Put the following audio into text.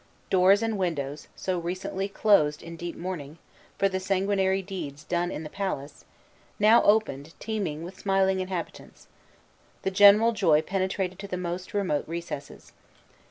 Doors and windows, so recently closed in deep mourning, for the sanguinary deeds done in the palace, now opened teeming with smiling inhabitants. The general joy penetrated to the most remote recesses.